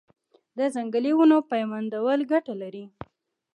د ځنګلي ونو پیوندول ګټه لري؟